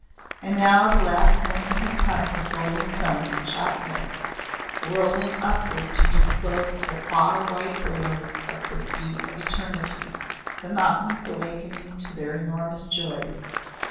And now the last morning had come with golden sun shot mists rolling upward to disclose the far white billows of the sea of eternity, the mountains awaking to their enormous joys.